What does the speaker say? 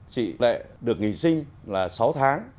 chị lệ được nghỉ sinh là sáu tháng